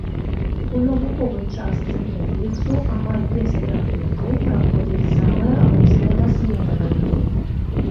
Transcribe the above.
У навуковай частцы комплексу амаль без перапынкаў праходзяць самыя розныя даследаванні.